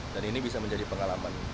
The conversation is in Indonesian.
dan ini bisa menjadi pengalaman